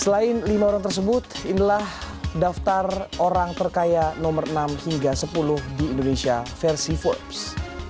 selain lima orang tersebut inilah daftar orang terkaya nomor enam hingga sepuluh di indonesia versi forbes